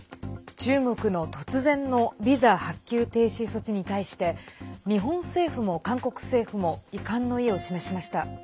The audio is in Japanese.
中国の突然のビザ発給停止措置に対して日本政府も韓国政府も遺憾の意を示しました。